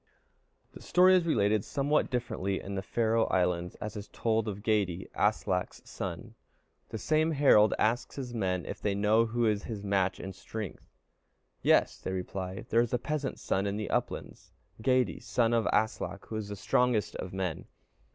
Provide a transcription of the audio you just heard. The story is related somewhat differently in the Faroe Isles, and is told of Geyti, Aslak's son. The same Harald asks his men if they know who is his match in strength. "Yes," they reply; "there is a peasant's son in the uplands, Geyti, son of Aslak, who is the strongest of men."